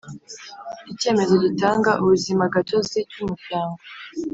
Icyemezo gitanga ubuzimagatozi cy umuryango